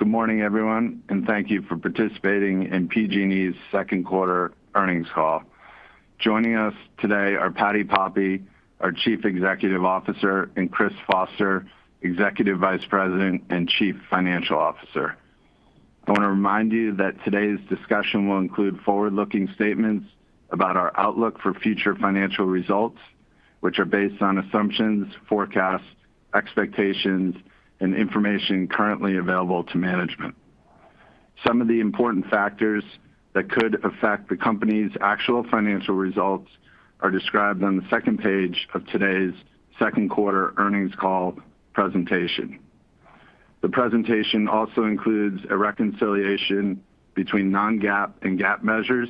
Good morning, everyone, and thank you for participating in PG&E's second quarter earnings call. Joining us today are Patti Poppe, our Chief Executive Officer, and Chris Foster, Executive Vice President and Chief Financial Officer. I want to remind you that today's discussion will include forward-looking statements about our outlook for future financial results, which are based on assumptions, forecasts, expectations, and information currently available to management. Some of the important factors that could affect the company's actual financial results are described on the second page of today's second quarter earnings call presentation. The presentation also includes a reconciliation between non-GAAP and GAAP measures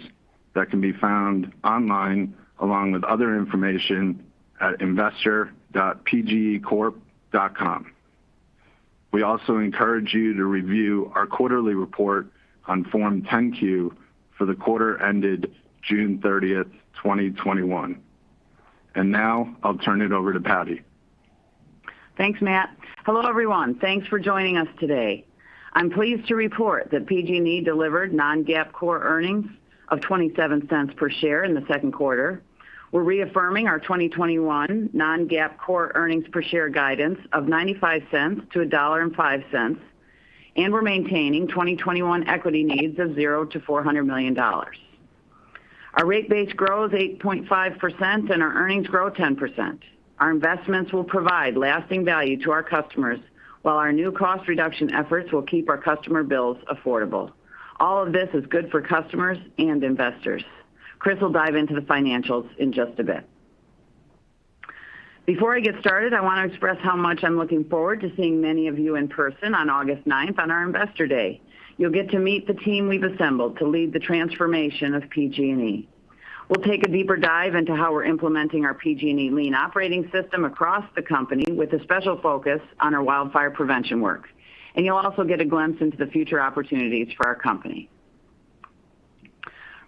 that can be found online, along with other information, at investor.pgecorp.com. We also encourage you to review our quarterly report on Form 10-Q for the quarter ended June 30th, 2021. Now I'll turn it over to Patti. Thanks, Matt. Hello, everyone. Thanks for joining us today. I'm pleased to report that PG&E delivered non-GAAP core earnings of $0.27 per share in the second quarter. We're reaffirming our 2021 non-GAAP core earnings per share guidance of $0.95-$1.05. We're maintaining 2021 equity needs of $0-$400 million. Our rate base grows 8.5% and our earnings grow 10%. Our investments will provide lasting value to our customers, while our new cost reduction efforts will keep our customer bills affordable. All of this is good for customers and investors. Chris will dive into the financials in just a bit. Before I get started, I want to express how much I'm looking forward to seeing many of you in person on August 9th on our investor day. You'll get to meet the team we've assembled to lead the transformation of PG&E. We'll take a deeper dive into how we're implementing our PG&E Lean Operating System across the company with a special focus on our wildfire prevention work. You'll also get a glimpse into the future opportunities for our company.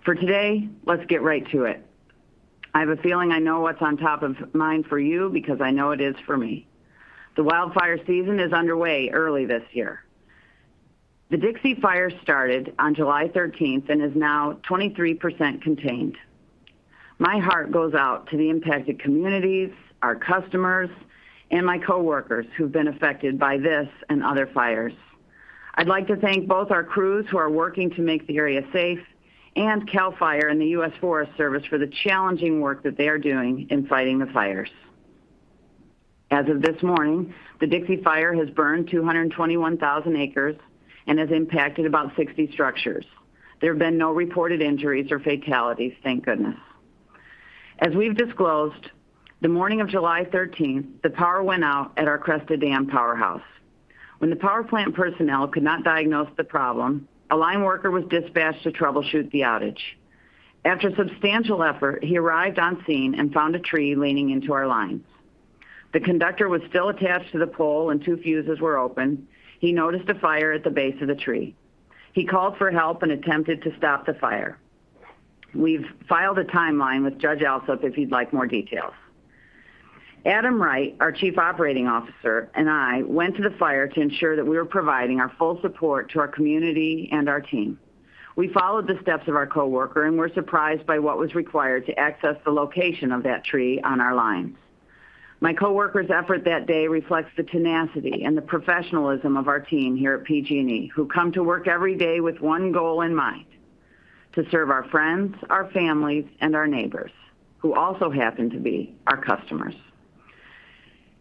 For today, let's get right to it. I have a feeling I know what's on top of mind for you because I know it is for me. The wildfire season is underway early this year. The Dixie Fire started on July 13th and is now 23% contained. My heart goes out to the impacted communities, our customers, and my coworkers who've been affected by this and other fires. I'd like to thank both our crews who are working to make the area safe and CAL FIRE and the U.S. Forest Service for the challenging work that they are doing in fighting the fires. As of this morning, the Dixie Fire has burned 221,000 acres and has impacted about 60 structures. There have been no reported injuries or fatalities, thank goodness. As we've disclosed, the morning of July 13th, the power went out at our Cresta Dam powerhouse. When the power plant personnel could not diagnose the problem, a line worker was dispatched to troubleshoot the outage. After a substantial effort, he arrived on scene and found a tree leaning into our lines. The conductor was still attached to the pole and two fuses were open. He noticed a fire at the base of the tree. He called for help and attempted to stop the fire. We've filed a timeline with Judge Alsup if you'd like more details. Adam Wright, our Chief Operating Officer, and I went to the fire to ensure that we were providing our full support to our community and our team. We followed the steps of our coworker and were surprised by what was required to access the location of that tree on our lines. My coworker's effort that day reflects the tenacity and the professionalism of our team here at PG&E, who come to work every day with one goal in mind: to serve our friends, our families, and our neighbors, who also happen to be our customers.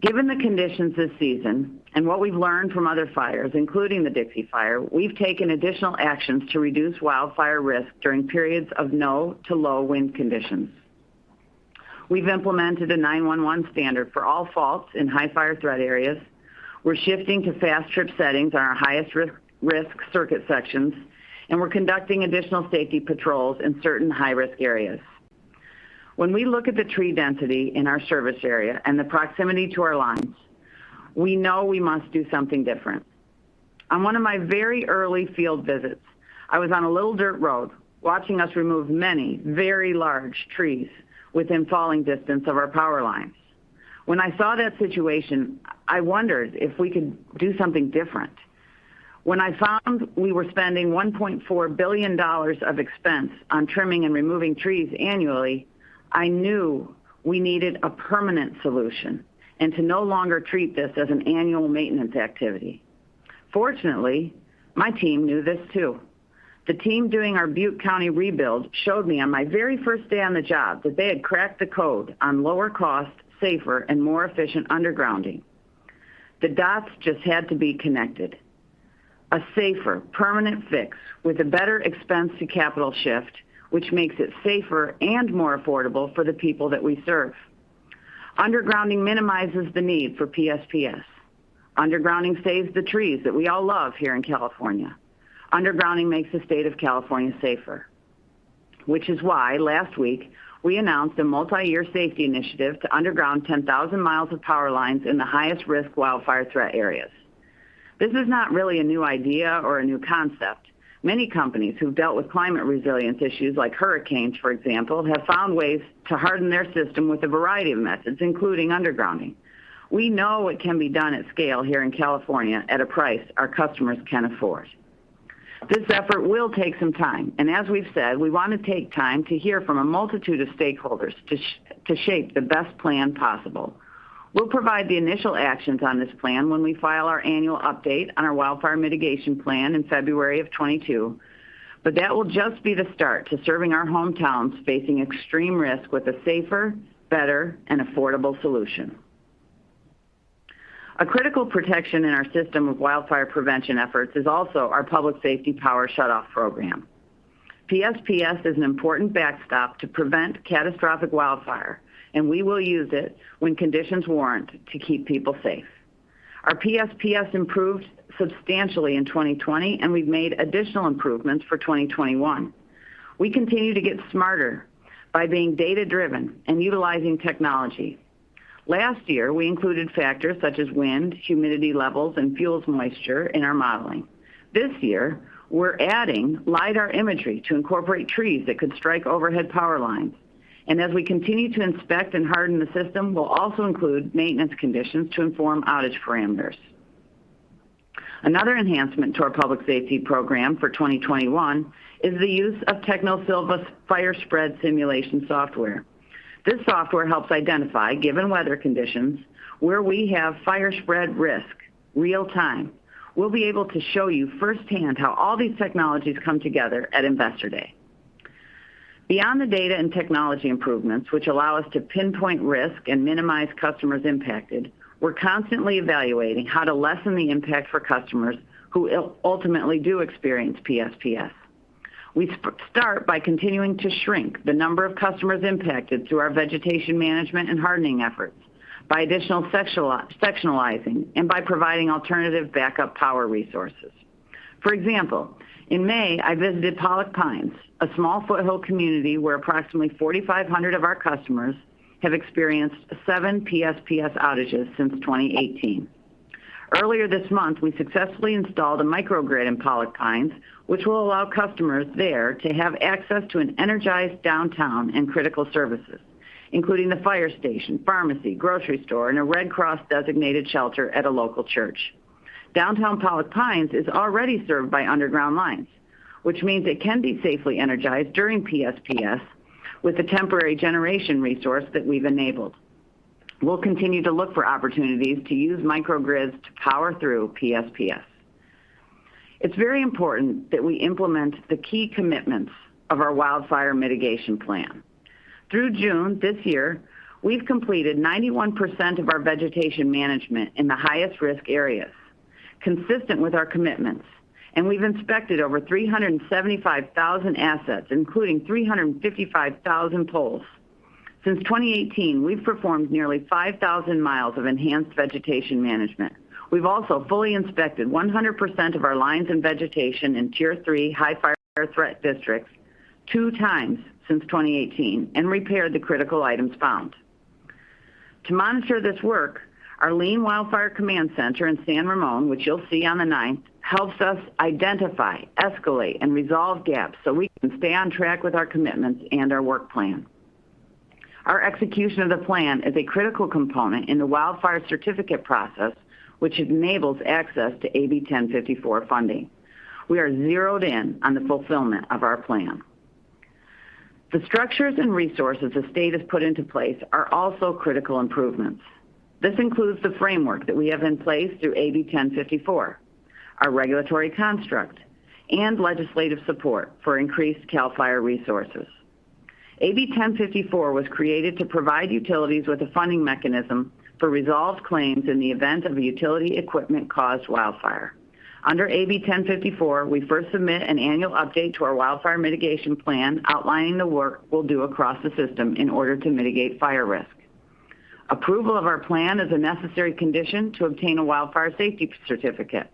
Given the conditions this season and what we've learned from other fires, including the Dixie Fire, we've taken additional actions to reduce wildfire risk during periods of no to low wind conditions. We've implemented a 911 standard for all faults in high fire threat areas. We're shifting to fast trip settings on our highest risk circuit sections, and we're conducting additional safety patrols in certain high-risk areas. When we look at the tree density in our service area and the proximity to our lines, we know we must do something different. On one of my very early field visits, I was on a little dirt road watching us remove many, very large trees within falling distance of our power lines. When I saw that situation, I wondered if we could do something different. When I found we were spending $1.4 billion of expense on trimming and removing trees annually, I knew we needed a permanent solution and to no longer treat this as an annual maintenance activity. Fortunately, my team knew this, too. The team doing our Butte County rebuild showed me on my very first day on the job that they had cracked the code on lower cost, safer, and more efficient undergrounding. The dots just had to be connected. A safer, permanent fix with a better expense to capital shift, which makes it safer and more affordable for the people that we serve. Undergrounding minimizes the need for PSPS. Undergrounding saves the trees that we all love here in California. Undergrounding makes the state of California safer. Last week we announced a multi-year safety initiative to underground 10,000 miles of power lines in the highest risk wildfire threat areas. This is not really a new idea or a new concept. Many companies who've dealt with climate resilience issues like hurricanes, for example, have found ways to harden their system with a variety of methods, including undergrounding. We know it can be done at scale here in California at a price our customers can afford. This effort will take some time. As we've said, we want to take time to hear from a multitude of stakeholders to shape the best plan possible. We'll provide the initial actions on this plan when we file our annual update on our wildfire mitigation plan in February of 2022. That will just be the start to serving our hometowns facing extreme risk with a safer, better, and affordable solution. A critical protection in our system of wildfire prevention efforts is also our Public Safety Power Shutoff program. PSPS is an important backstop to prevent catastrophic wildfire. We will use it when conditions warrant to keep people safe. Our PSPS improved substantially in 2020. We've made additional improvements for 2021. We continue to get smarter by being data-driven and utilizing technology. Last year, we included factors such as wind, humidity levels, and fuels moisture in our modeling. This year, we're adding lidar imagery to incorporate trees that could strike overhead power lines. As we continue to inspect and harden the system, we'll also include maintenance conditions to inform outage parameters. Another enhancement to our public safety program for 2021 is the use of Technosylva's fire spread simulation software. This software helps identify, given weather conditions, where we have fire spread risk real-time. We'll be able to show you firsthand how all these technologies come together at Investor Day. Beyond the data and technology improvements, which allow us to pinpoint risk and minimize customers impacted, we're constantly evaluating how to lessen the impact for customers who ultimately do experience PSPS. We start by continuing to shrink the number of customers impacted through our vegetation management and hardening efforts by additional sectionalizing and by providing alternative backup power resources. For example, in May, I visited Pollock Pines, a small foothill community where approximately 4,500 of our customers have experienced seven PSPS outages since 2018. Earlier this month, we successfully installed a microgrid in Pollock Pines, which will allow customers there to have access to an energized downtown and critical services, including the fire station, pharmacy, grocery store, and a Red Cross-designated shelter at a local church. Downtown Pollock Pines is already served by underground lines, which means it can be safely energized during PSPS with the temporary generation resource that we've enabled. We'll continue to look for opportunities to use microgrids to power through PSPS. It's very important that we implement the key commitments of our wildfire mitigation plan. Through June this year, we've completed 91% of our vegetation management in the highest risk areas, consistent with our commitments. We've inspected over 375,000 assets, including 355,000 poles. Since 2018, we've performed nearly 5,000 miles of Enhanced Vegetation Management. We've also fully inspected 100% of our lines and vegetation in Tier three high fire threat districts two times since 2018 and repaired the critical items found. To monitor this work, our Lean Wildfire Command Center in San Ramon, which you'll see on the 9th, helps us identify, escalate, and resolve gaps so we can stay on track with our commitments and our work plan. Our execution of the plan is a critical component in the wildfire certificate process, which enables access to AB 1054 funding. We are zeroed in on the fulfillment of our plan. The structures and resources the state has put into place are also critical improvements. This includes the framework that we have in place through AB 1054, our regulatory construct, and legislative support for increased CAL FIRE resources. AB 1054 was created to provide utilities with a funding mechanism for resolved claims in the event of a utility equipment-caused wildfire. Under AB 1054, we first submit an annual update to our wildfire mitigation plan outlining the work we'll do across the system in order to mitigate fire risk. Approval of our plan is a necessary condition to obtain a wildfire safety certificate.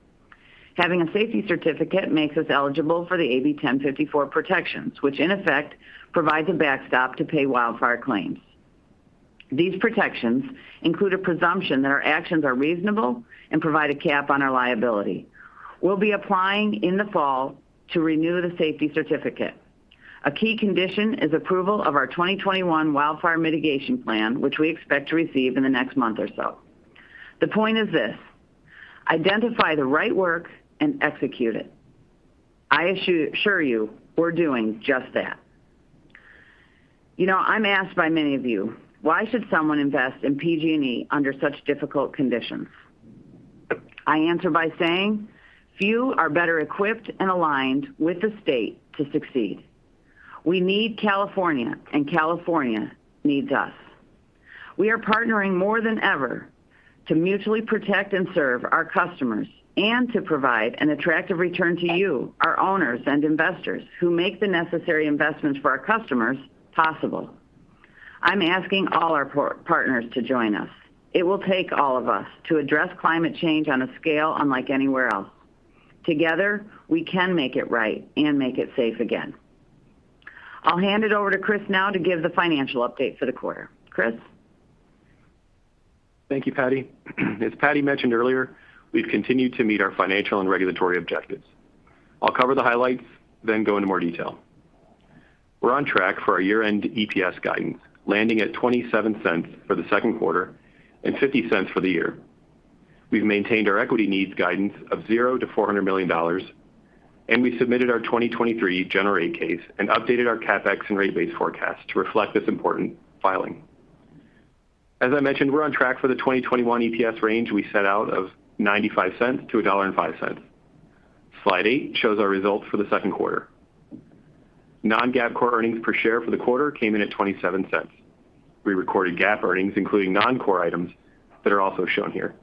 Having a safety certificate makes us eligible for the AB 1054 protections, which in effect provides a backstop to pay wildfire claims. These protections include a presumption that our actions are reasonable and provide a cap on our liability. We'll be applying in the fall to renew the safety certificate. A key condition is approval of our 2021 wildfire mitigation plan, which we expect to receive in the next month or so. The point is this, identify the right work and execute it. I assure you, we're doing just that. I'm asked by many of you, why should someone invest in PG&E under such difficult conditions? I answer by saying few are better equipped and aligned with the state to succeed. We need California, and California needs us. We are partnering more than ever to mutually protect and serve our customers and to provide an attractive return to you, our owners and investors, who make the necessary investments for our customers possible. I'm asking all our partners to join us. It will take all of us to address climate change on a scale unlike anywhere else. Together, we can make it right and make it safe again. I'll hand it over to Chris now to give the financial update for the quarter. Chris? Thank you, Patti. As Patti mentioned earlier, we've continued to meet our financial and regulatory objectives. I'll cover the highlights, then go into more detail. We're on track for our year-end EPS guidance, landing at $0.27 for the second quarter and $0.50 for the year. We've maintained our equity needs guidance of 0 to $400 million. We submitted our 2023 General Rate Case and updated our CapEx and rate base forecast to reflect this important filing. As I mentioned, we're on track for the 2021 EPS range we set out of $0.95 to $1.05. Slide eight shows our results for the second quarter. Non-GAAP core earnings per share for the quarter came in at $0.27. We recorded GAAP earnings, including non-core items that are also shown here.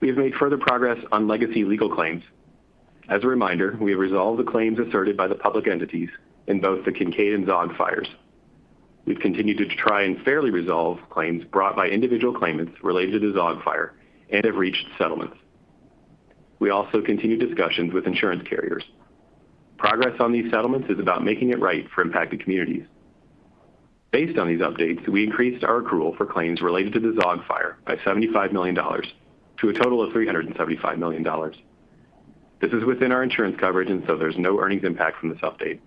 We have made further progress on legacy legal claims. As a reminder, we have resolved the claims asserted by the public entities in both the Kincade and Zogg fires. We've continued to try and fairly resolve claims brought by individual claimants related to the Zogg fire and have reached settlements. We also continue discussions with insurance carriers. Progress on these settlements is about making it right for impacted communities. Based on these updates, we increased our accrual for claims related to the Zogg fire by $75 million to a total of $375 million. This is within our insurance coverage, and so there's no earnings impact from this update.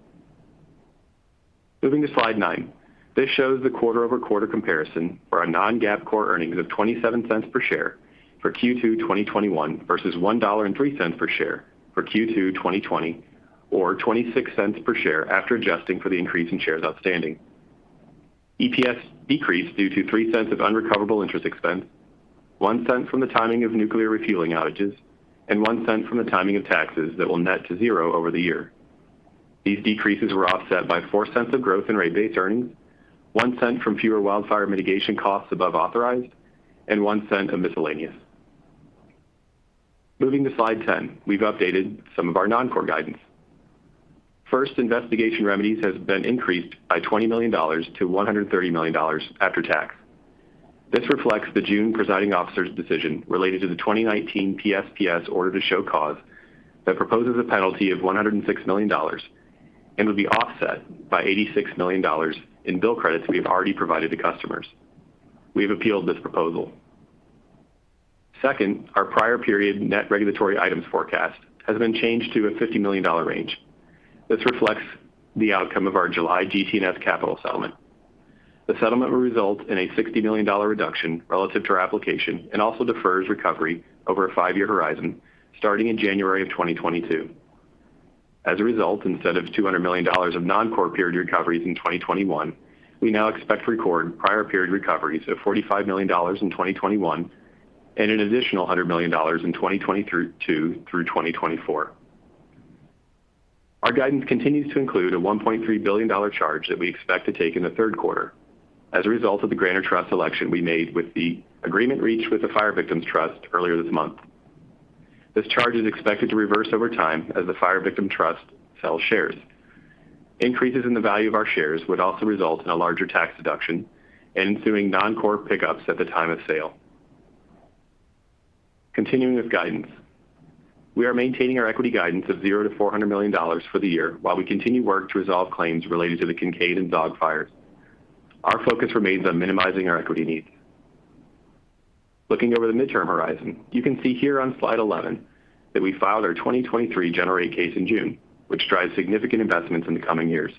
Moving to slide nine. This shows the quarter-over-quarter comparison for our non-GAAP core earnings of $0.27 per share for Q2 2021 versus $1.03 per share for Q2 2020 or $0.26 per share after adjusting for the increase in shares outstanding. EPS decreased due to $0.03 of unrecoverable interest expense, $0.01 from the timing of nuclear refueling outages, and $0.01 from the timing of taxes that will net to zero over the year. These decreases were offset by $0.04 of growth in rate base earnings, $0.01 from fewer wildfire mitigation costs above authorized, and $0.01 of miscellaneous. Moving to slide 10. We've updated some of our non-core guidance. First, investigation remedies has been increased by $20 million to $130 million after tax. This reflects the June presiding officer's decision related to the 2019 PSPS Order to Show Cause that proposes a penalty of $106 million and would be offset by $86 million in bill credits we have already provided to customers. We have appealed this proposal. Second, our prior period net regulatory items forecast has been changed to a $50 million range. This reflects the outcome of our July GT&S capital settlement. The settlement will result in a $60 million reduction relative to our application and also defers recovery over a five-year horizon, starting in January of 2022. Instead of $200 million of non-core period recoveries in 2021, we now expect to record prior period recoveries of $45 million in 2021 and an additional $100 million in 2022 through 2024. Our guidance continues to include a $1.3 billion charge that we expect to take in the third quarter as a result of the grantor trust election we made with the agreement reached with the Fire Victim Trust earlier this month. This charge is expected to reverse over time as the Fire Victim Trust sells shares. Increases in the value of our shares would also result in a larger tax deduction and ensuing non-core pickups at the time of sale. Continuing with guidance. We are maintaining our equity guidance of 0 to $400 million for the year while we continue work to resolve claims related to the Kincade and Zogg fires. Our focus remains on minimizing our equity needs. Looking over the midterm horizon, you can see here on slide 11 that we filed our 2023 General Rate Case in June, which drives significant investments in the coming years.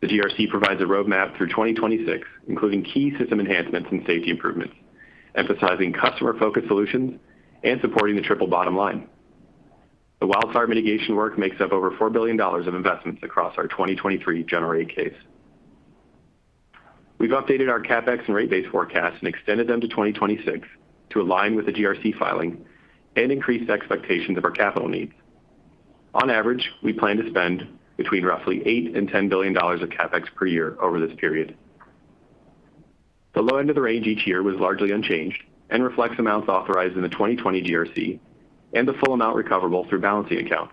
The GRC provides a roadmap through 2026, including key system enhancements and safety improvements, emphasizing customer-focused solutions and supporting the triple bottom line. The wildfire mitigation work makes up over $4 billion of investments across our 2023 General Rate Case. We've updated our CapEx and rate base forecasts and extended them to 2026 to align with the GRC filing and increased expectations of our capital needs. On average, we plan to spend between $8 billion and $10 billion of CapEx per year over this period. The low end of the range each year was largely unchanged and reflects amounts authorized in the 2020 GRC and the full amount recoverable through balancing accounts.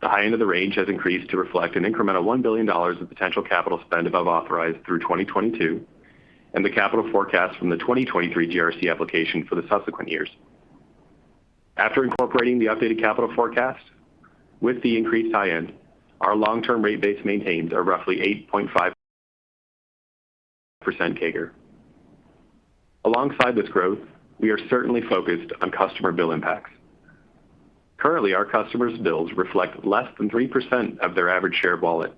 The high end of the range has increased to reflect an incremental $1 billion of potential capital spend above authorized through 2022 and the capital forecast from the 2023 GRC application for the subsequent years. After incorporating the updated capital forecast with the increased high end, our long-term rate base maintains a roughly 8.5% CAGR. Alongside this growth, we are certainly focused on customer bill impacts. Currently, our customers' bills reflect less than 3% of their average shared wallet.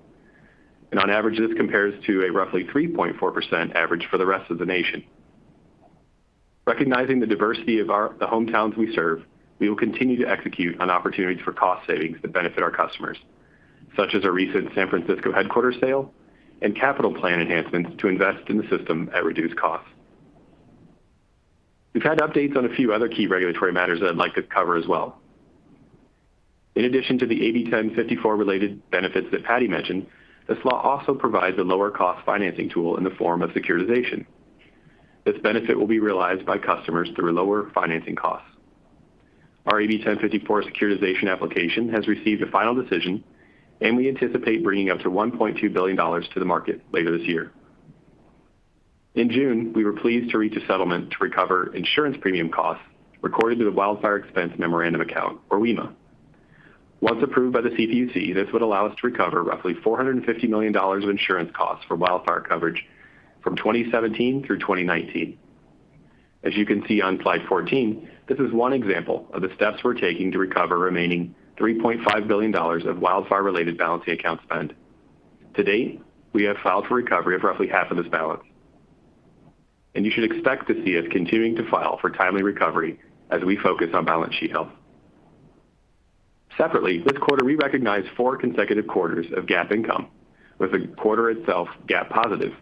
On average, this compares to a roughly 3.4% average for the rest of the nation. Recognizing the diversity of the hometowns we serve, we will continue to execute on opportunities for cost savings that benefit our customers, such as our recent San Francisco headquarters sale and capital plan enhancements to invest in the system at reduced costs. We've had updates on a few other key regulatory matters that I'd like to cover as well. In addition to the AB 1054 related benefits that Patti mentioned, this law also provides a lower cost financing tool in the form of securitization. This benefit will be realized by customers through lower financing costs. Our AB 1054 securitization application has received a final decision, and we anticipate bringing up to $1.2 billion to the market later this year. In June, we were pleased to reach a settlement to recover insurance premium costs recorded through the Wildfire Expense Memorandum Account, or WEMA. Once approved by the CPUC, this would allow us to recover roughly $450 million of insurance costs for wildfire coverage from 2017 through 2019. As you can see on slide 14, this is one example of the steps we're taking to recover remaining $3.5 billion of wildfire-related balance sheet account spend. To date, we have filed for recovery of roughly half of this balance, you should expect to see us continuing to file for timely recovery as we focus on balance sheet health. Separately, this quarter we recognized four consecutive quarters of GAAP income, with the quarter itself GAAP positive,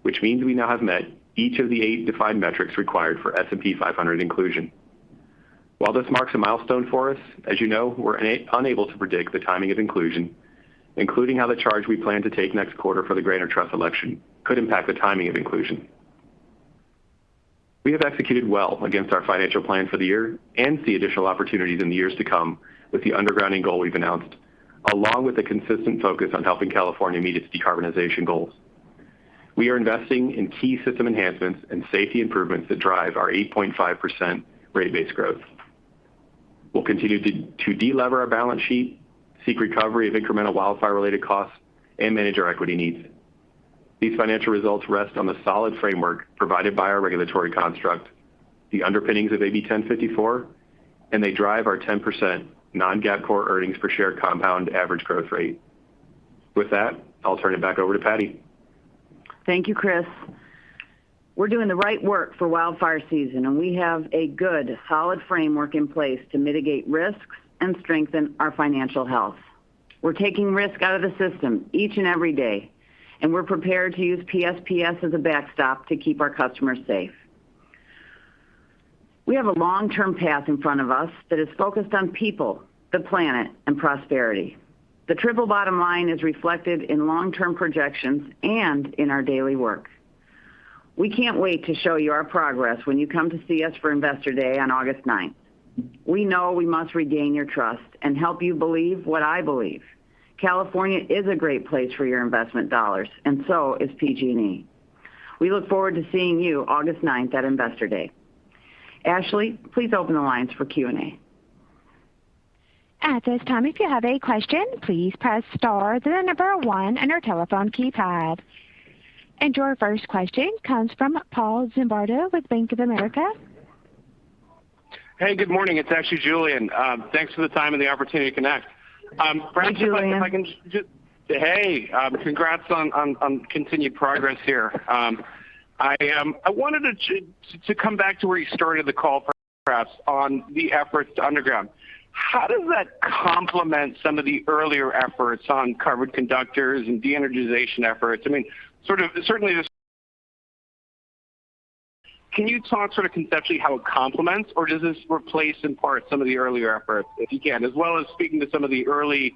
which means we now have met each of the eight defined metrics required for S&P 500 inclusion. While this marks a milestone for us, as you know, we're unable to predict the timing of inclusion, including how the charge we plan to take next quarter for the grantor trust election could impact the timing of inclusion. We have executed well against our financial plan for the year and see additional opportunities in the years to come with the undergrounding goal we've announced, along with a consistent focus on helping California meet its decarbonization goals. We are investing in key system enhancements and safety improvements that drive our 8.5% rate base growth. We'll continue to de-lever our balance sheet, seek recovery of incremental wildfire-related costs, and manage our equity needs. These financial results rest on the solid framework provided by our regulatory construct, the underpinnings of AB 1054, and they drive our 10% non-GAAP core earnings per share compound average growth rate. With that, I'll turn it back over to Patti. Thank you, Chris. We're doing the right work for wildfire season, and we have a good, solid framework in place to mitigate risks and strengthen our financial health. We're taking risk out of the system each and every day, and we're prepared to use PSPS as a backstop to keep our customers safe. We have a long-term path in front of us that is focused on people, the planet, and prosperity. The triple bottom line is reflected in long-term projections and in our daily work. We can't wait to show you our progress when you come to see us for Investor Day on August 9th. We know we must regain your trust and help you believe what I believe. California is a great place for your investment dollars, and so is PG&E. We look forward to seeing you August 9th at Investor Day. Ashley, please open the lines for Q&A. At this time, if you have a question, please press star then one on your telephone keypad. Your first question comes from Paul Zimbardo with Bank of America. Hey, good morning. It's actually Julien. Thanks for the time and the opportunity to connect. Hi, Julien. Hey. Congrats on continued progress here. I wanted to come back to where you started the call, perhaps, on the efforts to underground. How does that complement some of the earlier efforts on covered conductors and de-energization efforts? Can you talk conceptually how it complements, or does this replace, in part, some of the earlier efforts, if you can, as well as speaking to some of the early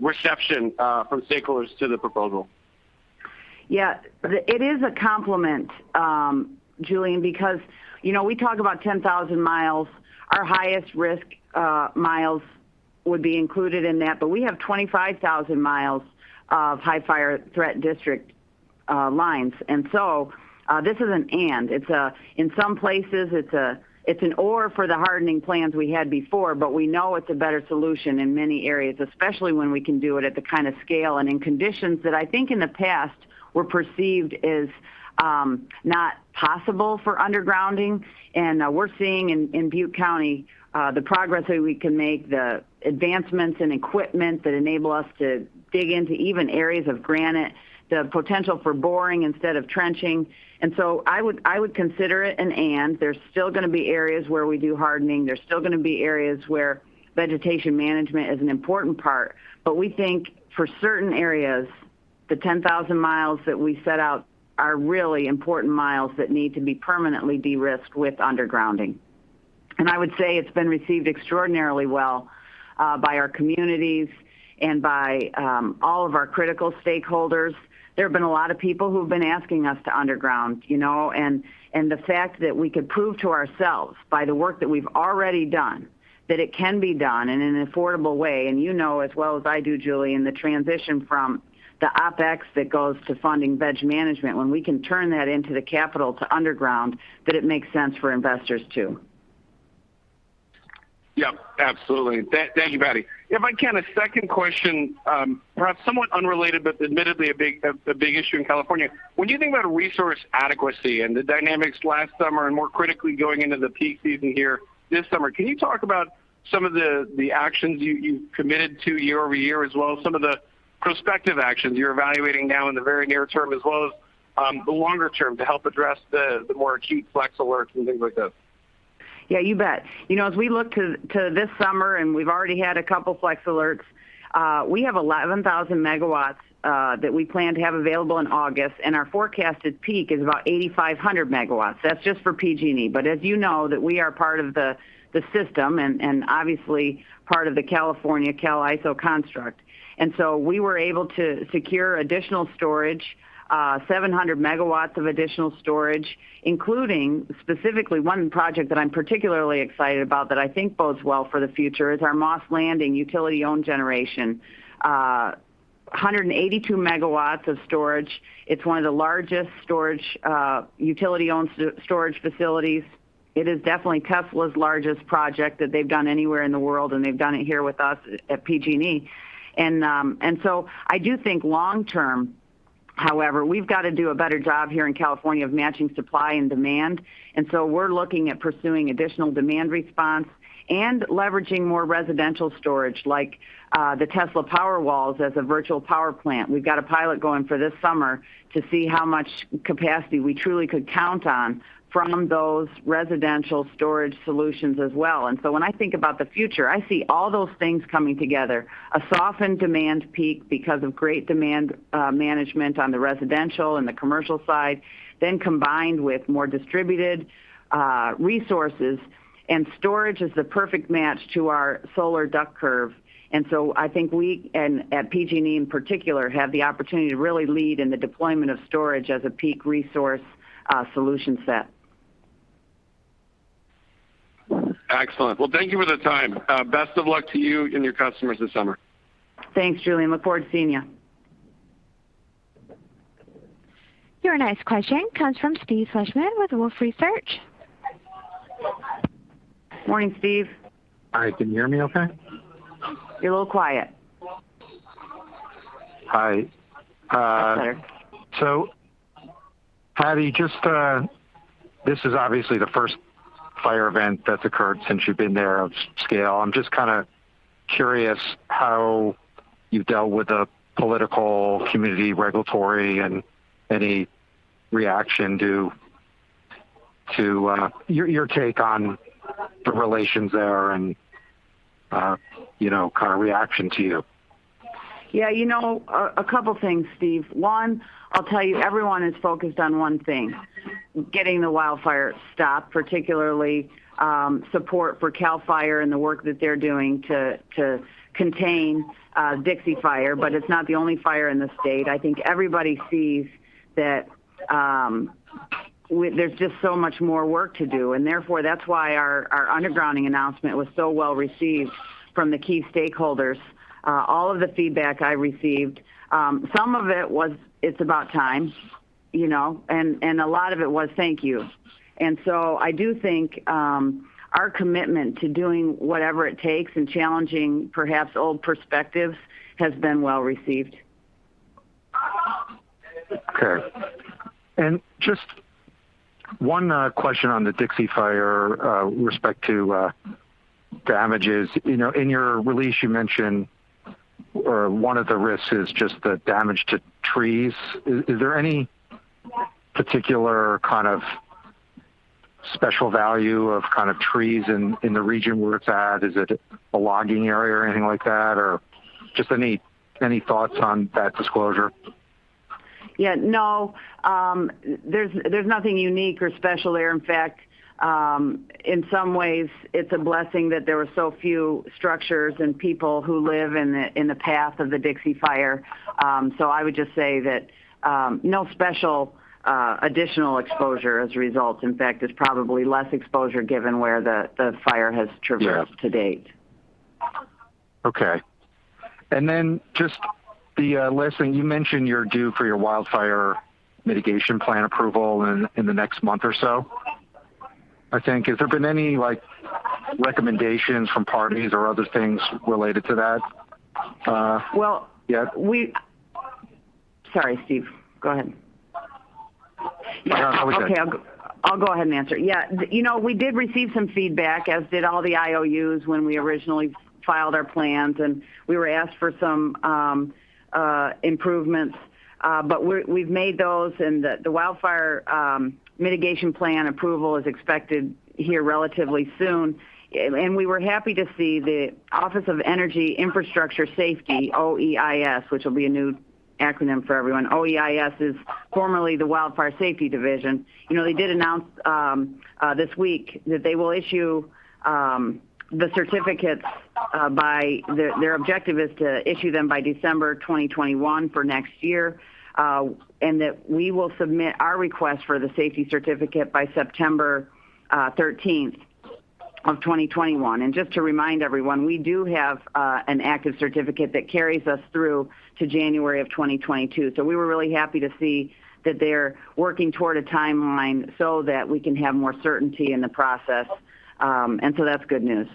reception from stakeholders to the proposal? It is a complement, Julien, because we talk about 10,000 mi. Our highest risk miles would be included in that, but we have 25,000 mi of high fire threat district lines. This is an and. In some places, it's an or for the hardening plans we had before, but we know it's a better solution in many areas, especially when we can do it at the kind of scale and in conditions that I think in the past were perceived as not possible for undergrounding. We're seeing in Butte County the progress that we can make, the advancements in equipment that enable us to dig into even areas of granite, the potential for boring instead of trenching. I would consider it an and. There's still going to be areas where we do hardening. There's still going to be areas where vegetation management is an important part. We think for certain areas, the 10,000 mi that we set out are really important miles that need to be permanently de-risked with undergrounding. I would say it's been received extraordinarily well by our communities and by all of our critical stakeholders. There have been a lot of people who have been asking us to underground. The fact that we could prove to ourselves by the work that we've already done, that it can be done in an affordable way. You know as well as I do, Julien, the transition from the OpEx that goes to funding veg management, when we can turn that into the capital to underground, that it makes sense for investors, too. Yep, absolutely. Thank you, Patti. If I can, a second question, perhaps somewhat unrelated, but admittedly a big issue in California. When you think about resource adequacy and the dynamics last summer, and more critically, going into the peak season here this summer, can you talk about some of the actions you committed to year-over-year, as well as some of the prospective actions you're evaluating now in the very near term, as well as the longer term, to help address the more acute Flex Alert and things like this? Yeah, you bet. As we look to this summer, and we've already had a couple Flex Alerts, we have 11,000 MW that we plan to have available in August, and our forecasted peak is about 8,500 MW. That's just for PG&E. As you know, that we are part of the system and obviously part of the California Cal ISO construct. We were able to secure additional storage, 700 MW of additional storage, including specifically one project that I'm particularly excited about that I think bodes well for the future, is our Moss Landing utility-owned generation, 182 MW of storage. It's one of the largest utility-owned storage facilities. It is definitely Tesla's largest project that they've done anywhere in the world, and they've done it here with us at PG&E. I do think long-term, however, we've got to do a better job here in California of matching supply and demand. We're looking at pursuing additional demand response and leveraging more residential storage like the Tesla Powerwalls as a virtual power plant. We've got a pilot going for this summer to see how much capacity we truly could count on from those residential storage solutions as well. When I think about the future, I see all those things coming together. A softened demand peak because of great demand management on the residential and the commercial side, then combined with more distributed resources. Storage is the perfect match to our solar duck curve. I think we, and at PG&E in particular, have the opportunity to really lead in the deployment of storage as a peak resource solution set. Excellent. Thank you for the time. Best of luck to you and your customers this summer. Thanks, Julien. Look forward to seeing you. Your next question comes from Steve Fleishman with Wolfe Research. Morning, Steve. Hi. Can you hear me okay? You're a little quiet. Hi. That's better. Patti, this is obviously the first fire event that's occurred since you've been there of scale. I'm just curious how you've dealt with the political, community, regulatory, and any reaction to your take on the relations there and reaction to you. Yeah. A couple things, Steve. One, I'll tell you, everyone is focused on one thing, getting the wildfire stopped, particularly, support for CAL FIRE and the work that they're doing to contain Dixie Fire. It's not the only fire in the state. I think everybody sees that there's just so much more work to do, and therefore, that's why our undergrounding announcement was so well-received from the key stakeholders. All of the feedback I received, some of it was, "It's about time," and a lot of it was, "Thank you." I do think our commitment to doing whatever it takes and challenging perhaps old perspectives has been well-received. Okay. Just one question on the Dixie Fire, respect to damages. In your release, you mentioned one of the risks is just the damage to trees. Is there any particular kind of special value of trees in the region where it's at? Is it a logging area or anything like that? Just any thoughts on that disclosure? Yeah. No, there's nothing unique or special there. In fact, in some ways, it's a blessing that there were so few structures and people who live in the path of the Dixie Fire. I would just say that no special additional exposure as a result. In fact, there's probably less exposure given where the fire has traversed to date. Yeah. Okay. Just the last thing. You mentioned you're due for your wildfire mitigation plan approval in the next month or so, I think. Has there been any recommendations from parties or other things related to that yet? Well, sorry, Steve. Go ahead. No, I was just- I'll go ahead and answer. We did receive some feedback, as did all the IOUs when we originally filed our plans, and we were asked for some improvements. We've made those, and the wildfire mitigation plan approval is expected here relatively soon. We were happy to see the Office of Energy Infrastructure Safety, OEIS, which will be a new acronym for everyone. OEIS is formerly the Wildfire Safety Division. They did announce this week that they will issue the certificates, their objective is to issue them by December 2021 for next year. That we will submit our request for the wildfire safety certificate by September 13th of 2021. Just to remind everyone, we do have an active certificate that carries us through to January of 2022. We were really happy to see that they're working toward a timeline so that we can have more certainty in the process. That's good news.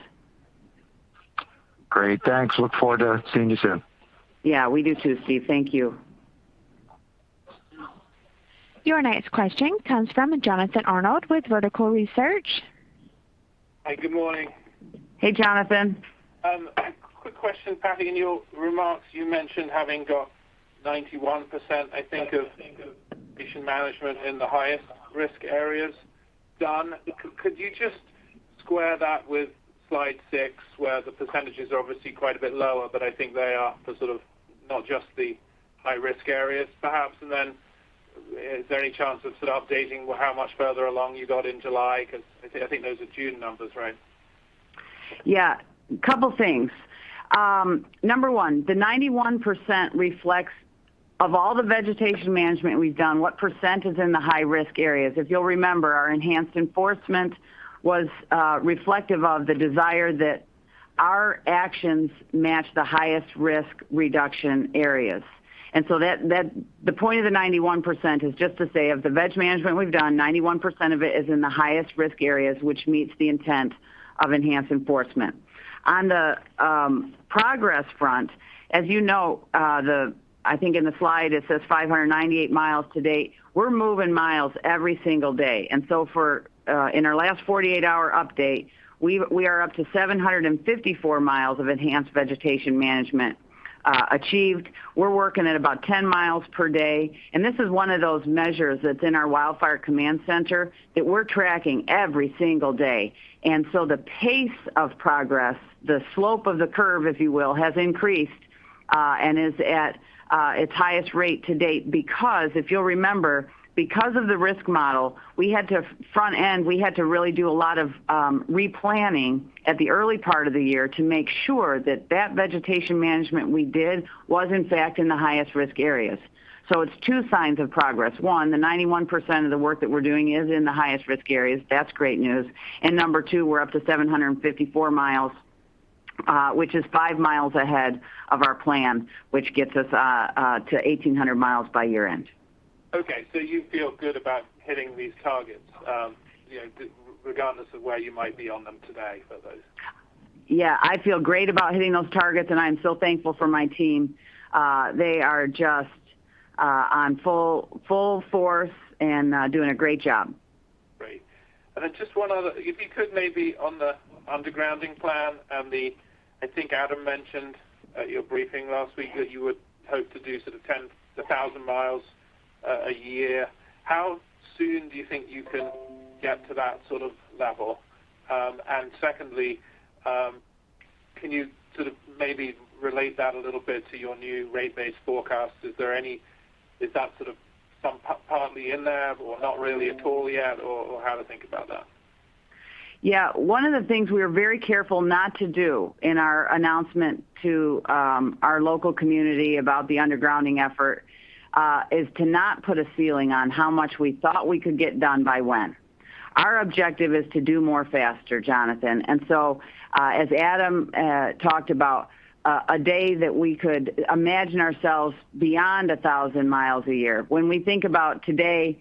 Great. Thanks. Look forward to seeing you soon. Yeah, we do too, Steve. Thank you. Your next question comes from Jonathan Arnold with Vertical Research. Hi. Good morning. Hey, Jonathan. Quick question, Patti. In your remarks, you mentioned having got 91%, I think, of vegetation management in the highest-risk areas done. Could you just square that with slide six, where the percentages are obviously quite a bit lower, but I think they are for sort of not just the high-risk areas perhaps? Then is there any chance of sort of updating how much further along you got in July? Because I think those are June numbers, right? Couple things. Number one, the 91% reflects. Of all the vegetation management we've done, what percent is in the high-risk areas? If you'll remember, our enhanced enforcement was reflective of the desire that our actions match the highest risk reduction areas. The point of the 91% is just to say of the veg management we've done, 91% of it is in the highest risk areas, which meets the intent of enhanced enforcement. On the progress front, as you know, I think in the slide it says 598 mi to date. We're moving mi every single day. In our last 48-hour update, we are up to 754 mi of Enhanced Vegetation Management achieved. We're working at about 10 mi per day, and this is one of those measures that's in our Wildfire Command Center that we're tracking every single day. The pace of progress, the slope of the curve, if you will, has increased and is at its highest rate to date because, if you'll remember, because of the risk model, we had to front end, we had to really do a lot of replanning at the early part of the year to make sure that that vegetation management we did was in fact in the highest risk areas. It's two signs of progress. One, the 91% of the work that we're doing is in the highest risk areas. That's great news. Number two, we're up to 754 mi, which is 5 mi ahead of our plan, which gets us to 1,800 mi by year-end. Okay. You feel good about hitting these targets, regardless of where you might be on them today for those? I feel great about hitting those targets, and I'm so thankful for my team. They are just on full force and doing a great job. Great. Then just one other, if you could maybe on the undergrounding plan and the, I think Adam mentioned at your briefing last week that you would hope to do sort of 1,000 mi a year. How soon do you think you can get to that sort of level? Secondly, can you sort of maybe relate that a little bit to your new rate base forecast? Is that sort of some partly in there or not really at all yet, or how to think about that? Yeah. One of the things we were very careful not to do in our announcement to our local community about the undergrounding effort, is to not put a ceiling on how much we thought we could get done by when. Our objective is to do more faster, Jonathan. As Adam talked about, a day that we could imagine ourselves beyond 1,000 mi a year. When we think about today,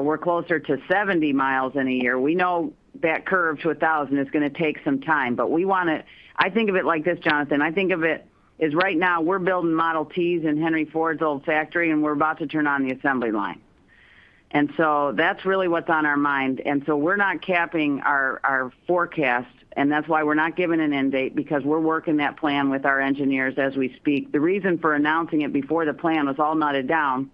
we're closer to 70 mi in a year. We know that curve to 1,000 is going to take some time. I think of it like this, Jonathan. I think of it as right now, we're building Model T's in Henry Ford's old factory, and we're about to turn on the assembly line. That's really what's on our mind. We're not capping our forecast, and that's why we're not giving an end date because we're working that plan with our engineers as we speak. The reason for announcing it before the plan was all knotted down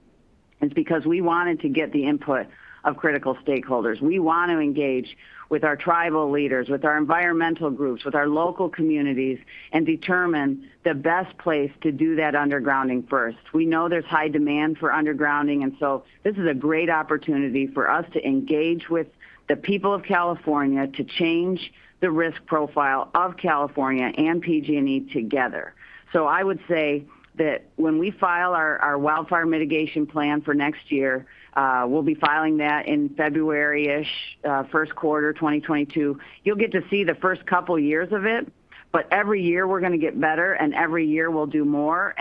is because we wanted to get the input of critical stakeholders. We want to engage with our tribal leaders, with our environmental groups, with our local communities, and determine the best place to do that undergrounding first. We know there's high demand for undergrounding, and so this is a great opportunity for us to engage with the people of California to change the risk profile of California and PG&E together. I would say that when we file our wildfire mitigation plan for next year, we'll be filing that in February-ish, first quarter 2022. You'll get to see the first couple of years of it, but every year we're going to get better and every year we'll do more.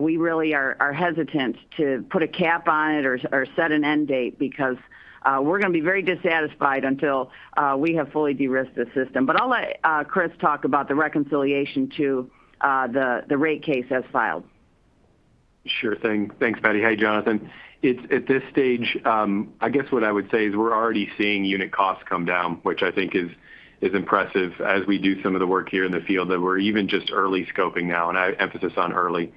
We really are hesitant to put a cap on it or set an end date because we're going to be very dissatisfied until we have fully de-risked the system. I'll let Chris talk about the reconciliation to the rate case as filed. Sure thing. Thanks, Patti. Hey, Jonathan. At this stage, I guess what I would say is we're already seeing unit costs come down, which I think is impressive as we do some of the work here in the field that we're even just early scoping now, and emphasis on early.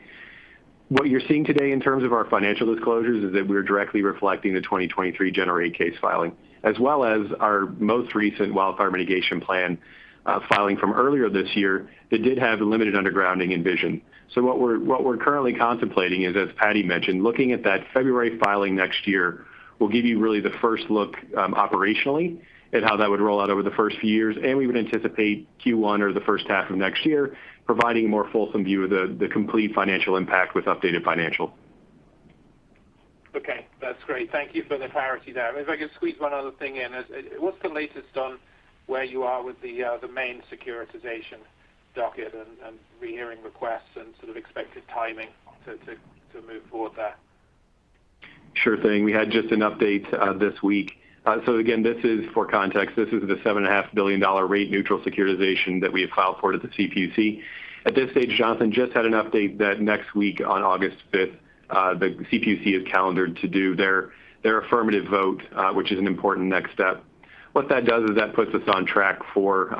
What you're seeing today in terms of our financial disclosures is that we're directly reflecting the 2023 General Rate Case filing, as well as our most recent wildfire mitigation plan filing from earlier this year that did have the limited undergrounding envision. What we're currently contemplating is, as Patti mentioned, looking at that February filing next year will give you really the first look, operationally, at how that would roll out over the first few years. We would anticipate Q1 or the first half of next year providing a more fulsome view of the complete financial impact with updated financial. Okay. That's great. Thank you for the clarity there. If I could squeeze one other thing in. What's the latest on where you are with the main securitization docket and rehearing requests and sort of expected timing to move forward there? Sure thing. We had just an update this week. Again, this is for context. This is the $7.5 billion rate neutral securitization that we have filed for at the CPUC. At this stage, Jonathan, just had an update that next week on August 5th, the CPUC is calendared to do their affirmative vote, which is an important next step. What that does is that puts us on track for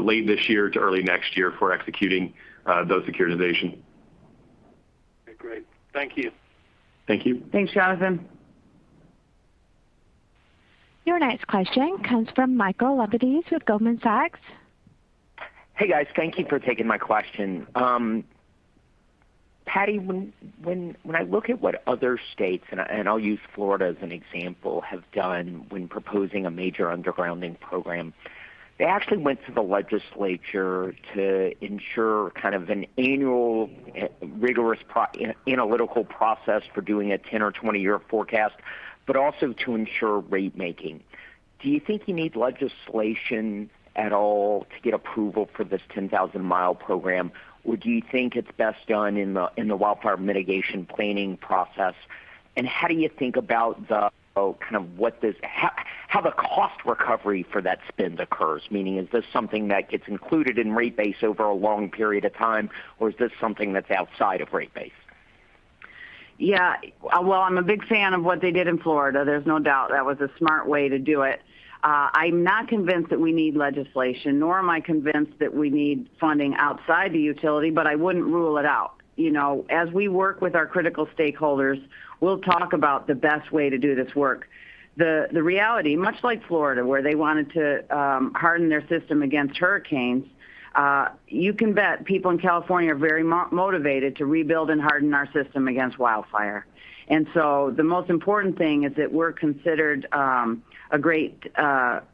late this year to early next year for executing those securitizations. Okay, great. Thank you. Thank you. Thanks, Jonathan. Your next question comes from Michael Lapides with Goldman Sachs. Hey, guys. Thank you for taking my question. Patti, when I look at what other states, and I'll use Florida as an example, have done when proposing a major undergrounding program. They actually went to the legislature to ensure kind of an annual rigorous analytical process for doing a 10 or 20-year forecast, but also to ensure rate-making. Do you think you need legislation at all to get approval for this 10,000-mi program? Do you think it's best done in the wildfire mitigation planning process? How do you think about how the cost recovery for that spend occurs? Meaning, is this something that gets included in rate base over a long period of time, or is this something that's outside of rate base? Well, I'm a big fan of what they did in Florida. There's no doubt that was a smart way to do it. I'm not convinced that we need legislation, nor am I convinced that we need funding outside the utility, but I wouldn't rule it out. As we work with our critical stakeholders, we'll talk about the best way to do this work. The reality, much like Florida, where they wanted to harden their system against hurricanes, you can bet people in California are very motivated to rebuild and harden our system against wildfire. The most important thing is that we're considered a great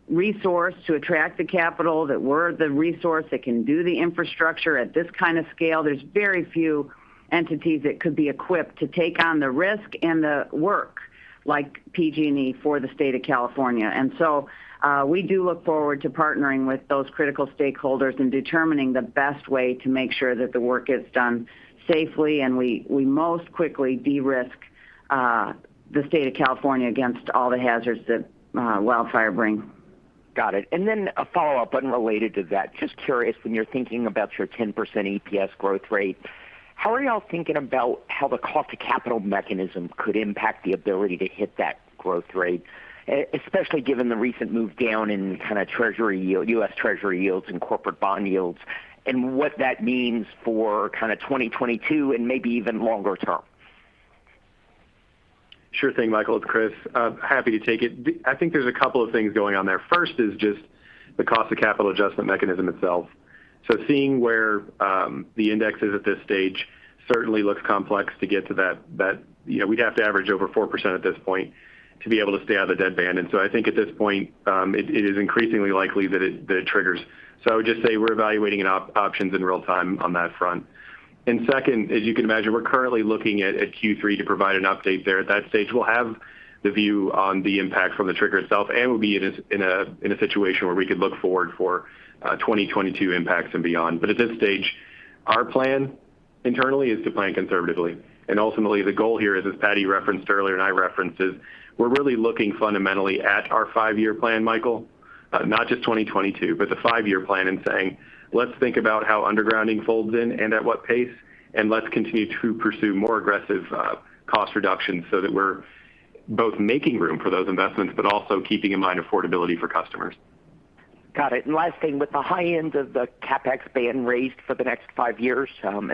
resource to attract the capital, that we're the resource that can do the infrastructure at this kind of scale. There's very few entities that could be equipped to take on the risk and the work like PG&E for the state of California. We do look forward to partnering with those critical stakeholders in determining the best way to make sure that the work gets done safely, and we most quickly de-risk the state of California against all the hazards that wildfire brings. Got it. A follow-up unrelated to that. Just curious, when you're thinking about your 10% EPS growth rate, how are y'all thinking about how the Cost of Capital Mechanism could impact the ability to hit that growth rate, especially given the recent move down in kind of treasury yield, U.S. Treasury yields, and corporate bond yields, and what that means for kind of 2022 and maybe even longer term? Sure thing, Michael. It's Chris. Happy to take it. I think there's a couple of things going on there. First is just the Cost of Capital Adjustment Mechanism itself. Seeing where the index is at this stage certainly looks complex to get to that. We'd have to average over 4% at this point to be able to stay out of the dead band. I think at this point, it is increasingly likely that it triggers. I would just say we're evaluating options in real time on that front. Second, as you can imagine, we're currently looking at Q3 to provide an update there. At that stage, we'll have the view on the impact from the trigger itself, and we'll be in a situation where we could look forward for 2022 impacts and beyond. At this stage, our plan internally is to plan conservatively. Ultimately, the goal here is, as Patti referenced earlier and I referenced, is we're really looking fundamentally at our five-year plan, Michael, not just 2022, but the five-year plan and saying, let's think about how undergrounding folds in and at what pace. Let's continue to pursue more aggressive cost reductions so that we're both making room for those investments, but also keeping in mind affordability for customers. Got it. Last thing, with the high end of the CapEx band raised for the next five years,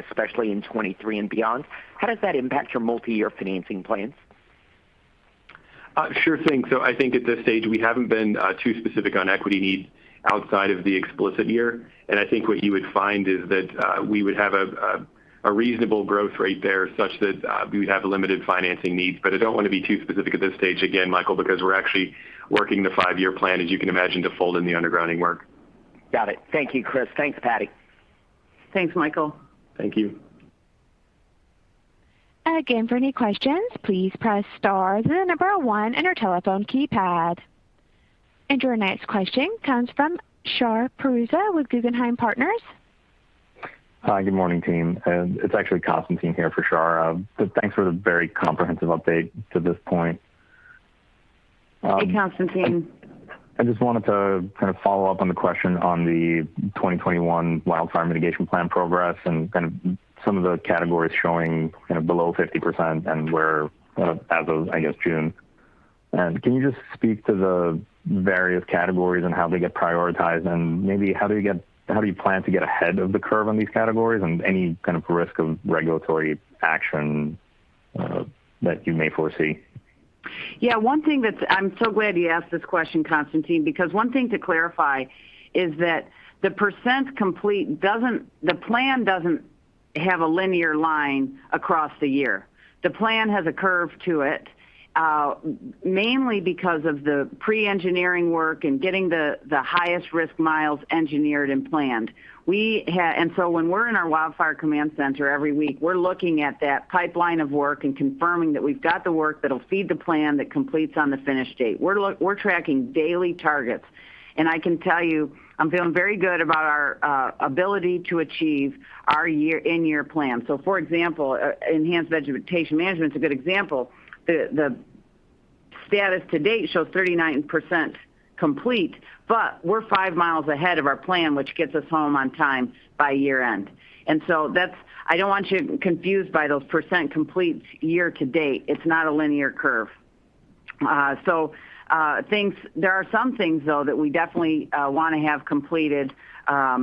especially in 2023 and beyond, how does that impact your multi-year financing plans? Sure thing. I think at this stage, we haven't been too specific on equity needs outside of the explicit year. I think what you would find is that we would have a reasonable growth rate there such that we would have limited financing needs. I don't want to be too specific at this stage, again, Michael, because we're actually working the five-year plan, as you can imagine, to fold in the undergrounding work. Got it. Thank you, Chris. Thanks, Patti. Thanks, Michael. Thank you. Again, for any questions, please press star 1 on your telephone keypad. Your next question comes from Shahriar Pourreza with Guggenheim Partners. Hi, good morning, team. It's actually Constantine here for Shahriar. Thanks for the very comprehensive update to this point. Hey, Constantine. I just wanted to kind of follow up on the question on the 2021 wildfire mitigation plan progress and kind of some of the categories showing below 50% and where as of, I guess, June. Can you just speak to the various categories and how they get prioritized and maybe how do you plan to get ahead of the curve on these categories and any kind of risk of regulatory action that you may foresee? Yeah. I'm so glad you asked this question, Constantine, because one thing to clarify is that the percent complete doesn't have a linear line across the year. The plan has a curve to it, mainly because of the pre-engineering work and getting the highest risk miles engineered and planned. When we're in our wildfire command center every week, we're looking at that pipeline of work and confirming that we've got the work that'll feed the plan that completes on the finish date. We're tracking daily targets. I can tell you, I'm feeling very good about our ability to achieve our in-year plan. For example, Enhanced Vegetation Management is a good example. The status to date shows 39% complete, but we're 5 mi ahead of our plan, which gets us home on time by year-end. I don't want you confused by those percent complete year to date. It's not a linear curve. There are some things, though, that we definitely want to have completed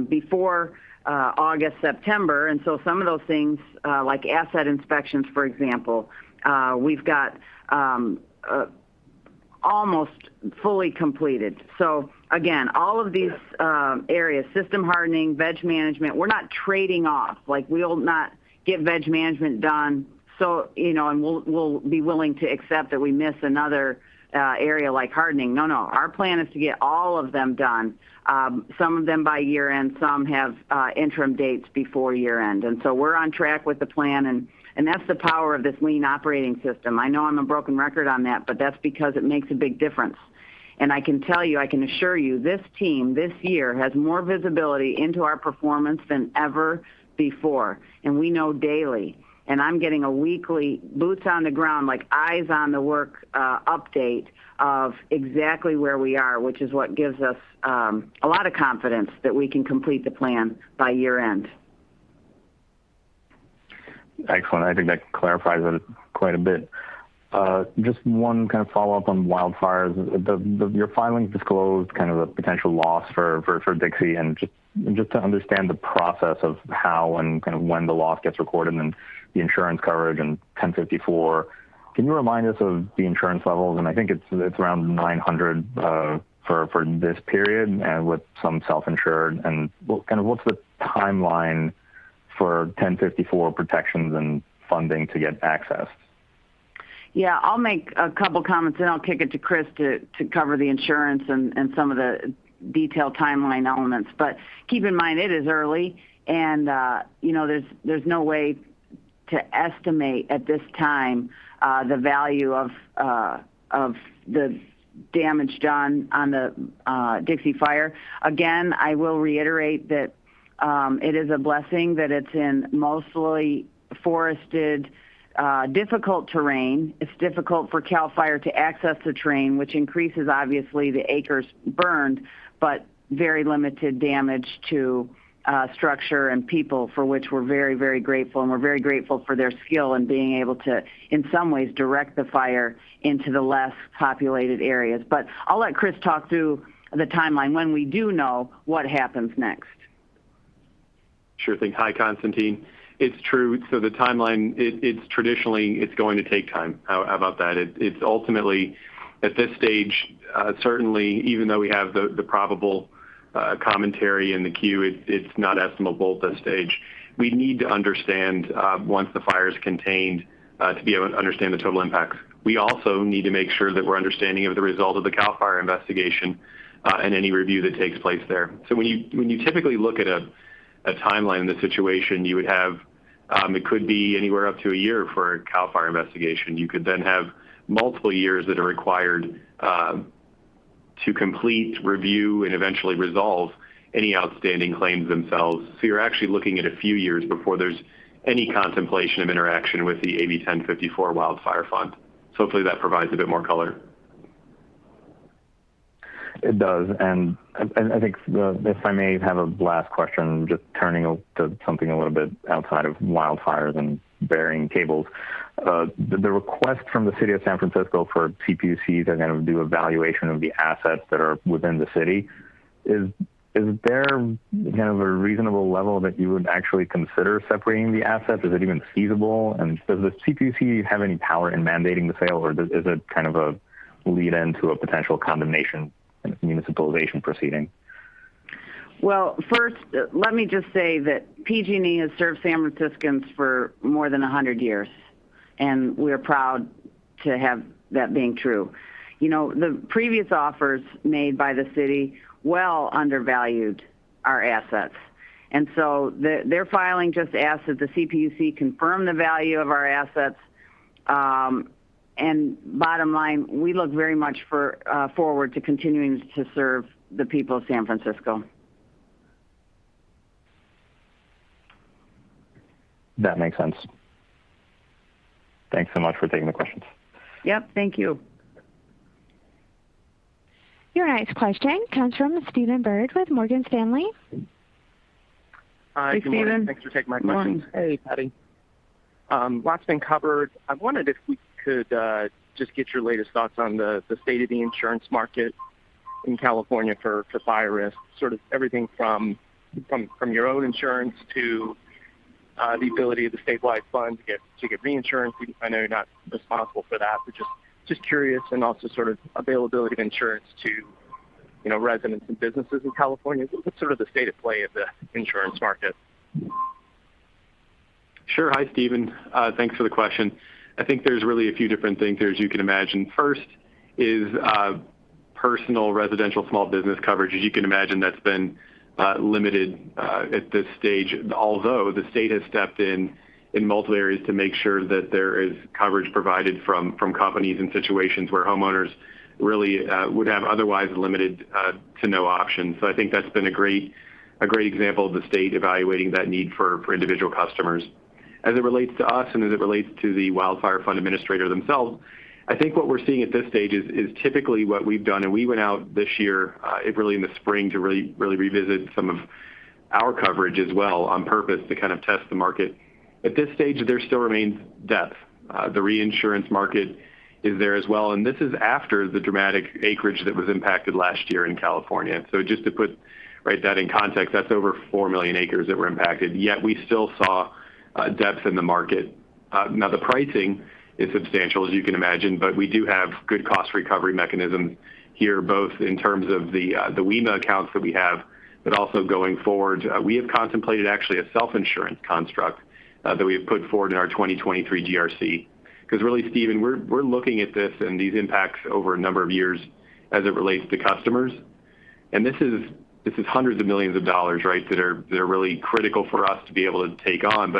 before August, September. Some of those things, like asset inspections, for example, we've got almost fully completed. Again, all of these areas, system hardening, veg management, we're not trading off. We will not get veg management done and we'll be willing to accept that we miss another area like hardening. No, our plan is to get all of them done. Some of them by year-end, some have interim dates before year-end. We're on track with the plan, and that's the power of this Lean Operating System. I know I'm a broken record on that, but that's because it makes a big difference. I can tell you, I can assure you, this team this year has more visibility into our performance than ever before, and we know daily. I'm getting a weekly boots on the ground, eyes on the work update of exactly where we are, which is what gives us a lot of confidence that we can complete the plan by year-end. Excellent. I think that clarifies it quite a bit. Just one kind of follow-up on wildfires. Your filings disclosed kind of the potential loss for Dixie, and just to understand the process of how and kind of when the loss gets recorded and the insurance coverage and 1054, can you remind us of the insurance levels? I think it's around $900 for this period and with some self-insured. What's the timeline for 1054 protections and funding to get access? Yeah, I'll make a couple comments, then I'll kick it to Chris to cover the insurance and some of the detailed timeline elements. Keep in mind, it is early and there's no way to estimate at this time the value of the damage done on the Dixie Fire. I will reiterate that it is a blessing that it's in mostly forested, difficult terrain. It's difficult for CAL FIRE to access the terrain, which increases, obviously, the acres burned, but very limited damage to structure and people, for which we're very grateful. We're very grateful for their skill in being able to, in some ways, direct the fire into the less populated areas. I'll let Chris talk through the timeline when we do know what happens next. Sure thing. Hi, Constantine. It's true. The timeline, traditionally, it's going to take time. How about that? It's ultimately at this stage, certainly even though we have the probable commentary in the queue, it's not estimable at this stage. We need to understand once the fire's contained to be able to understand the total impacts. We also need to make sure that we're understanding of the result of the CAL FIRE investigation and any review that takes place there. When you typically look at a timeline in this situation, it could be anywhere up to a year for a CAL FIRE investigation. You could have multiple years that are required to complete, review, and eventually resolve any outstanding claims themselves. You're actually looking at a few years before there's any contemplation of interaction with the AB 1054 Wildfire Fund. Hopefully that provides a bit more color. It does. I think if I may have a last question, just turning to something a little bit outside of wildfires and burying cables. The request from the city of San Francisco for CPUC to kind of do evaluation of the assets that are within the city, is there kind of a reasonable level that you would actually consider separating the assets? Is it even feasible? Does the CPUC have any power in mandating the sale, or is it kind of a lead-in to a potential condemnation and municipalization proceeding? Well, first, let me just say that PG&E has served San Franciscans for more than 100 years, and we're proud to have that being true. The previous offers made by the city well undervalued our assets. Their filing just asks that the CPUC confirm the value of our assets. Bottom line, we look very much forward to continuing to serve the people of San Francisco. That makes sense. Thanks so much for taking the questions. Yep. Thank you. Your next question comes from Stephen Byrd with Morgan Stanley. Hi, Stephen. Hi, good morning. Thanks for taking my questions. Good morning. Hey, Patti. Lot's been covered. I wondered if we could just get your latest thoughts on the state of the insurance market in California for fire risk. Sort of everything from your own insurance to the ability of the Statewide Fund to get reinsurance. I know you're not responsible for that, but just curious, and also sort of availability of insurance to residents and businesses in California. What's sort of the state of play of the insurance market? Sure. Hi, Stephen. Thanks for the question. I think there's really a few different things there, as you can imagine. First is personal residential small business coverage. As you can imagine, that's been limited at this stage, although the state has stepped in in multiple areas to make sure that there is coverage provided from companies in situations where homeowners really would have otherwise limited to no options. I think that's been a great example of the state evaluating that need for individual customers. As it relates to us and as it relates to the Wildfire Fund administrator themselves, I think what we're seeing at this stage is typically what we've done, and we went out this year, really in the spring, to really revisit some of our coverage as well on purpose to kind of test the market. At this stage, there still remains depth. The reinsurance market is there as well, and this is after the dramatic acreage that was impacted last year in California. Just to put that in context, that's over 4 million acres that were impacted. Yet we still saw depth in the market. The pricing is substantial, as you can imagine, but we do have good cost recovery mechanisms here, both in terms of the WEMA accounts that we have, but also going forward. We have contemplated actually a self-insurance construct that we have put forward in our 2023 GRC. Really, Stephen, we're looking at this and these impacts over a number of years as it relates to customers. This is hundreds of millions of dollars that are really critical for us to be able to take on.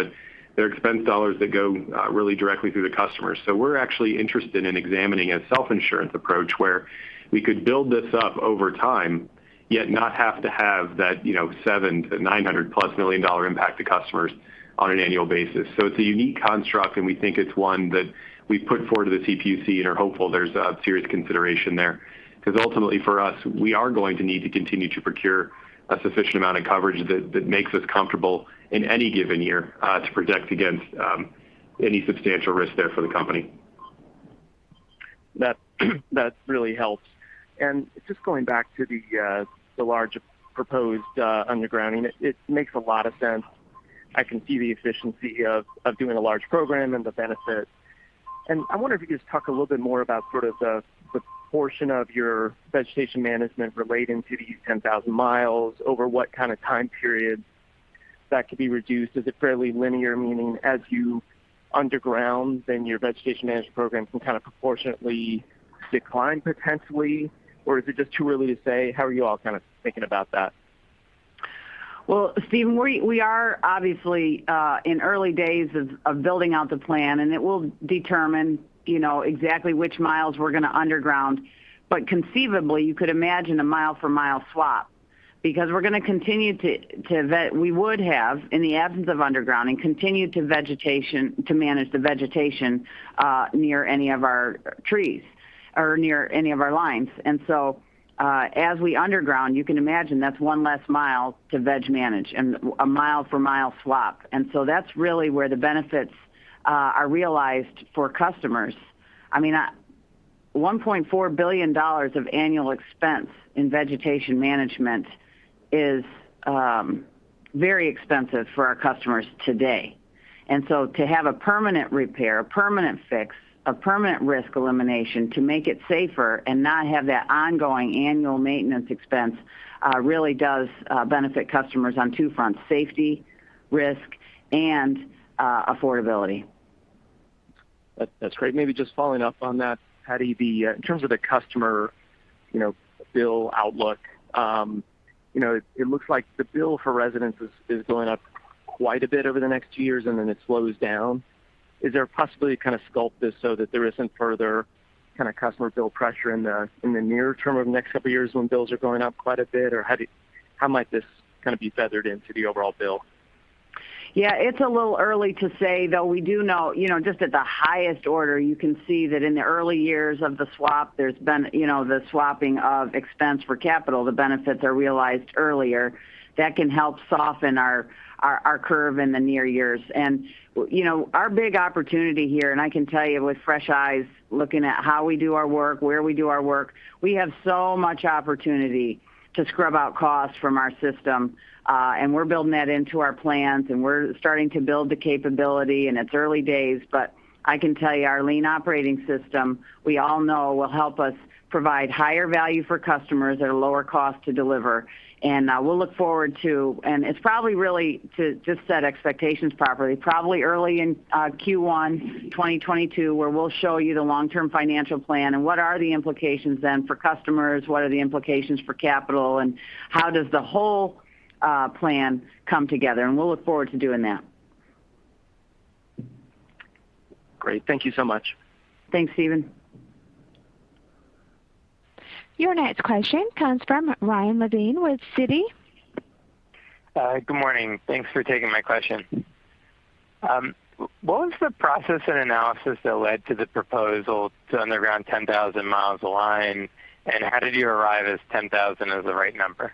They're expense dollars that go really directly to the customers. We're actually interested in examining a self-insurance approach where we could build this up over time, yet not have to have that $700 million-$900 million+ impact to customers on an annual basis. It's a unique construct, and we think it's one that we've put forward to the CPUC and are hopeful there's a serious consideration there. Ultimately for us, we are going to need to continue to procure a sufficient amount of coverage that makes us comfortable in any given year to protect against any substantial risk there for the company. That really helps. Just going back to the large proposed undergrounding, it makes a lot of sense. I can see the efficiency of doing a large program and the benefits. I wonder if you could just talk a little bit more about sort of the portion of your vegetation management relating to these 10,000 mi, over what kind of time period that could be reduced. Is it fairly linear, meaning as you underground, then your vegetation management program can kind of proportionately decline potentially? Or is it just too early to say? How are you all kind of thinking about that? Well, Stephen, we are obviously in early days of building out the plan, and it will determine exactly which miles we're going to underground. Conceivably, you could imagine a mile-for-mile swap, because we're going to continue to manage the vegetation near any of our trees or near any of our lines. As we underground, you can imagine that's one less mile to veg manage and a mile-for-mile swap. That's really where the benefits are realized for customers. $1.4 billion of annual expense in vegetation management is very expensive for our customers today. To have a permanent repair, a permanent fix, a permanent risk elimination to make it safer and not have that ongoing annual maintenance expense really does benefit customers on two fronts, safety, risk, and affordability. That's great. Maybe just following up on that, Patti, in terms of the customer bill outlook, it looks like the bill for residents is going up quite a bit over the next two years, it slows down. Is there a possibility to kind of sculpt this so that there isn't further customer bill pressure in the near term over the next couple of years when bills are going up quite a bit? How might this kind of be feathered into the overall bill? Yeah, it's a little early to say, though we do know, just at the highest order, you can see that in the early years of the swap, the swapping of expense for capital, the benefits are realized earlier. That can help soften our curve in the near years. Our big opportunity here, and I can tell you with fresh eyes, looking at how we do our work, where we do our work, we have so much opportunity to scrub out costs from our system. We're building that into our plans, and we're starting to build the capability, and it's early days. I can tell you our Lean Operating System, we all know will help us provide higher value for customers at a lower cost to deliver. It's probably really to just set expectations properly, probably early in Q1 2022, where we'll show you the long-term financial plan and what are the implications then for customers, what are the implications for capital, and how does the whole plan come together? We'll look forward to doing that. Great. Thank you so much. Thanks, Stephen. Your next question comes from Ryan Levine with Citi. Good morning. Thanks for taking my question. What was the process and analysis that led to the proposal to underground 10,000 mi of line, and how did you arrive as 10,000 as the right number?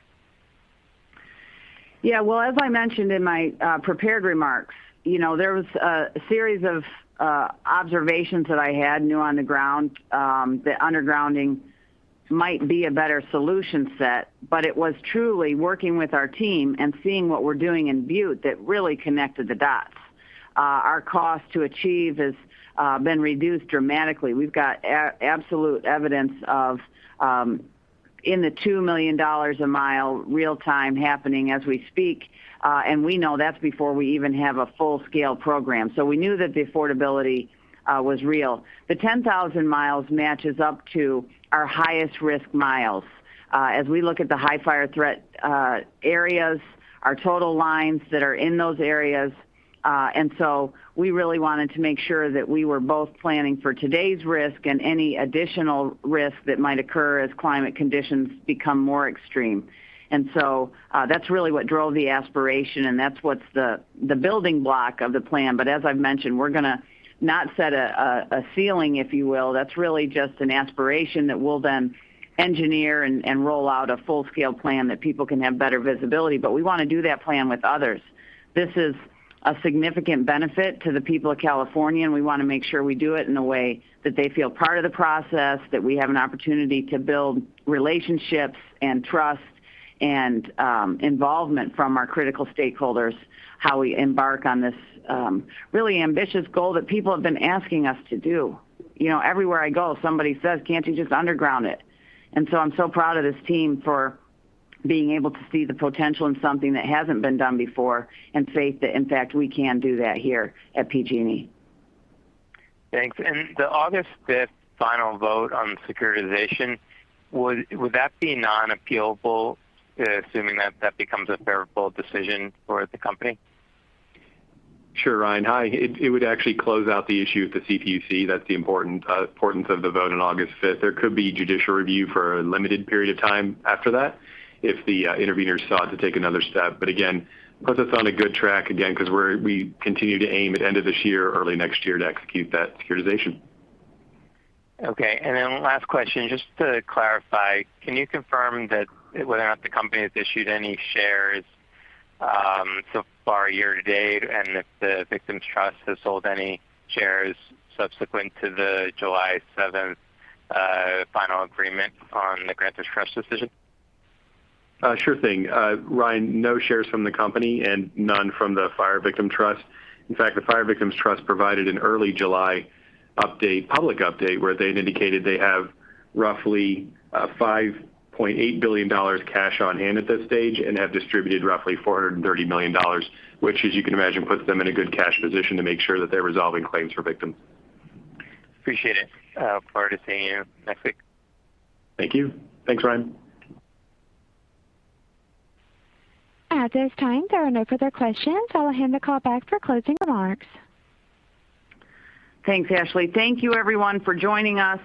As I mentioned in my prepared remarks, there was a series of observations that I had new on the ground, that undergrounding might be a better solution set. It was truly working with our team and seeing what we're doing in Butte that really connected the dots. Our cost to achieve has been reduced dramatically. We've got absolute evidence of in the $2 million a mile real-time happening as we speak. We know that's before we even have a full-scale program. We knew that the affordability was real. The 10,000 mi matches up to our highest risk miles. As we look at the high fire-threat areas, our total lines that are in those areas, we really wanted to make sure that we were both planning for today's risk and any additional risk that might occur as climate conditions become more extreme. That's really what drove the aspiration, and that's what's the building block of the plan. As I've mentioned, we're going to not set a ceiling, if you will. That's really just an aspiration that we'll then engineer and roll out a full-scale plan that people can have better visibility. We want to do that plan with others. This is a significant benefit to the people of California, and we want to make sure we do it in a way that they feel part of the process, that we have an opportunity to build relationships and trust and involvement from our critical stakeholders, how we embark on this really ambitious goal that people have been asking us to do. Everywhere I go, somebody says, "Can't you just underground it?" I'm so proud of this team for being able to see the potential in something that hasn't been done before, and faith that in fact, we can do that here at PG&E. Thanks. The August 5th final vote on securitization, would that be non-appealable, assuming that that becomes a favorable decision for the company? Sure, Ryan. Hi. It would actually close out the issue with the CPUC. That's the importance of the vote on August 5th. There could be judicial review for a limited period of time after that if the interveners sought to take another step. Again, puts us on a good track again because we continue to aim at end of this year, early next year to execute that securitization. Last question, just to clarify, can you confirm whether or not the company has issued any shares so far year-to-date, and if the Victims Trust has sold any shares subsequent to the July 7th final agreement on the grantor trust decision? Sure thing. Ryan, no shares from the company and none from the Fire Victim Trust. In fact, the Fire Victim Trust provided an early July public update where they had indicated they have roughly $5.8 billion cash on hand at this stage and have distributed roughly $430 million, which, as you can imagine, puts them in a good cash position to make sure that they're resolving claims for victims. Appreciate it. Look forward to seeing you next week. Thank you. Thanks, Ryan. At this time, there are no further questions. I'll hand the call back for closing remarks. Thanks, Ashley. Thank you everyone for joining us.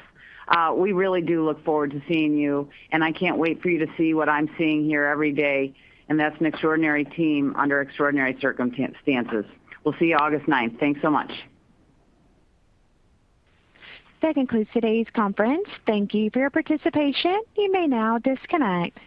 We really do look forward to seeing you, and I can't wait for you to see what I'm seeing here every day, and that's an extraordinary team under extraordinary circumstances. We'll see you August 9th. Thanks so much. That concludes today's conference. Thank you for your participation. You may now disconnect.